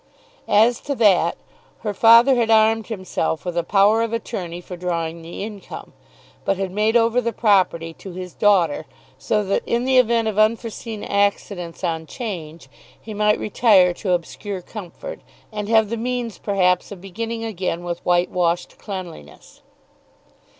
As to that, her father had armed himself with a power of attorney for drawing the income, but had made over the property to his daughter, so that in the event of unforeseen accidents on 'Change, he might retire to obscure comfort, and have the means perhaps of beginning again with whitewashed cleanliness.